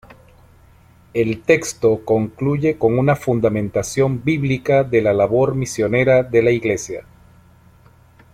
El texto concluye con una fundamentación bíblica de la labor misionera de la Iglesia.